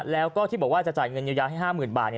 แล้วก็ที่บอกว่าจะจ่ายเงินเยียวยาให้๕๐๐๐บาท